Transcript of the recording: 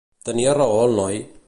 Tenia raó el noi?